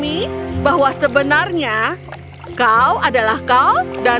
tidak ada yang tidak ada yang tidak ada yang tidak ada yang